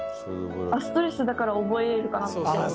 ストレスだから覚えるかなって。